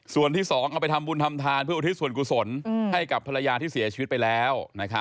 ส่วนที่๒เอาไปทำบุญทำทานเพื่ออุทิศส่วนกุศลให้กับภรรยาที่เสียชีวิตไปแล้ว